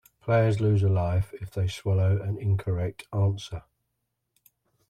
Players lose a life if they swallow an incorrect answer.